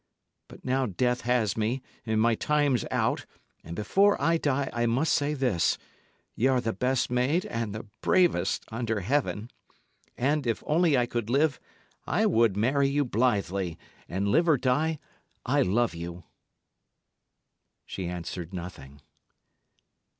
But now death has me, and my time's out, and before I die I must say this: Y' are the best maid and the bravest under heaven, and, if only I could live, I would marry you blithely; and, live or die, I love you." She answered nothing.